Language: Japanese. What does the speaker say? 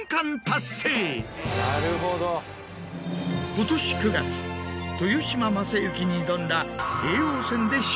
今年９月豊島将之に挑んだ。